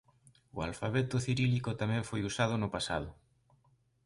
O alfabeto cirílico tamén foi usado no pasado.